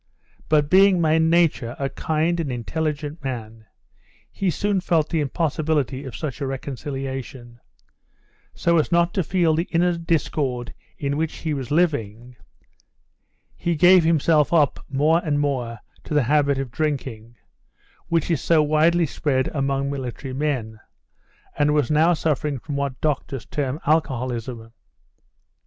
But being by nature a kind and intelligent man, he soon felt the impossibility of such a reconciliation; so as not to feel the inner discord in which he was living, he gave himself up more and more to the habit of drinking, which is so widely spread among military men, and was now suffering from what doctors term alcoholism.